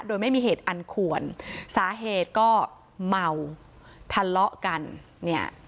โดยไม่มีเหตุอันควรสาเหตุก็เมาทะเลาะกันเนี่ย